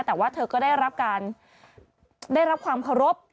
แต่ว่าเธอก็ได้รับความเคารพ